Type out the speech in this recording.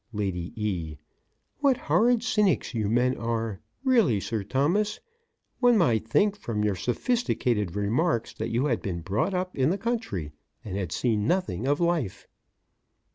LADY E.: What horrid cynics you men are! Really, Sir Thomas, one might think, from your sophisticated remarks that you had been brought up in the country and had seen nothing of life.